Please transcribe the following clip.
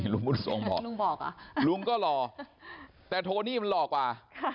ลุงบุญส่งบอกลุงก็หล่อแต่โทนี่มันหล่อกว่า